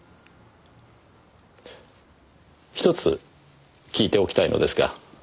ひとつ聞いておきたいのですが。